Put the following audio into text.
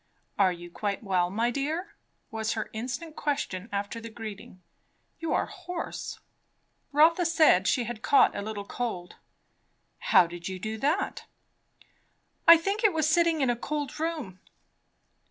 "Are you quite well, my dear?" was her instant question after the greeting. "You are hoarse." Rotha said she had caught a little cold. "How did you do that?" "I think it was sitting in a cold room."